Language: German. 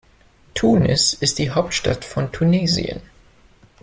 Tunis ist die Hauptstadt von Tunesien.